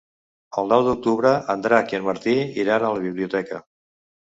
El nou d'octubre en Drac i en Martí iran a la biblioteca.